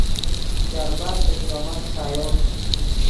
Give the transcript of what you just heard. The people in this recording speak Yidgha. شربَت ݰے چرومن فسایو